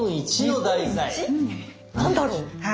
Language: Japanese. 何だろう？